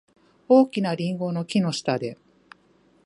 大きなリンゴの木の下で。